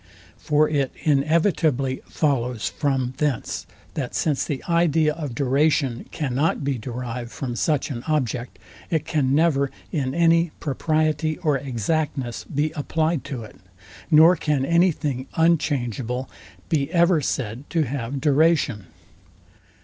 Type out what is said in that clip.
For it inevitably follows from thence, that since the idea of duration cannot be derived from such an object, it can never in any propriety or exactness be applied to it, nor can any thing unchangeable be ever said to have duration.